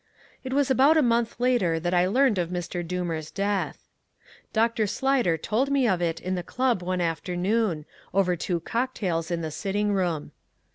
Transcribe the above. It was about a month later that I learned of Mr. Doomer's death. Dr. Slyder told me of it in the club one afternoon, over two cocktails in the sitting room.